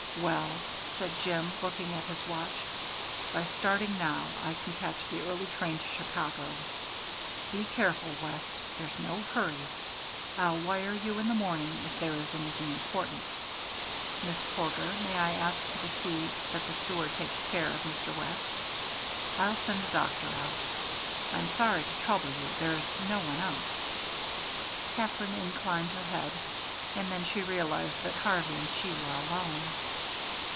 "Well," said Jim, looking at his watch, "by starting now I can catch the early train to Chicago. Be careful, West; there's no hurry. I'll wire you in the morning if there is anything important. Miss Porter, may I ask you to see that the steward takes care of Mr. West? I'll send a doctor out. I'm sorry to trouble you there's no one else." Katherine inclined her head. And then she realized that Harvey and she were alone.